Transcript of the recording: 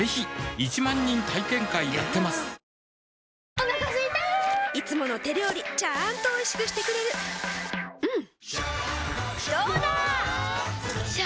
お腹すいたいつもの手料理ちゃんとおいしくしてくれるジューうんどうだわ！